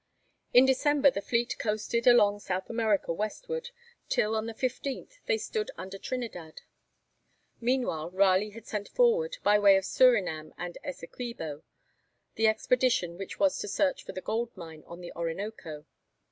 In December the fleet coasted along South America westward, till on the 15th they stood under Trinidad. Meanwhile Raleigh had sent forward, by way of Surinam and Essequibo, the expedition which was to search for the gold mine on the Orinoco.